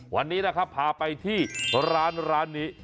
วันนี้พาไปที่ร้านนี้